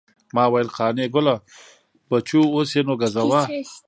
ما ویل قانع ګله بچو اوس یې نو ګزوه.